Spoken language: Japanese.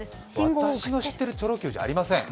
私の知ってるチョロＱじゃありません。